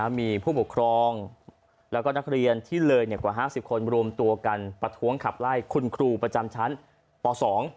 มีผู้ปกครองแล้วก็นักเรียนที่เลยกว่าห้าสิบคนรวมตัวกันประท้วงขับไล่คุณครูประจำชั้นป๒